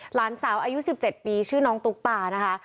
หลานสาวอายุ๑๗ปีชื่อน้องตุ๊กตานะคะ